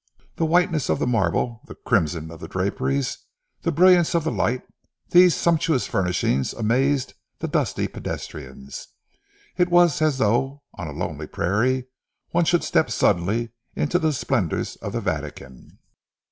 The whiteness of the marble, the crimson of the draperies, the brilliance of the light; these sumptuous furnishings amazed the dusty pedestrians. It was as though, on a lonely prairie, one should step suddenly into the splendours of the Vatican.